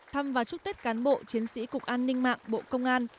thăm và chúc tết cán bộ chiến sĩ cục an ninh mạng bộ công an